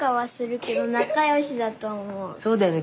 そうだよね。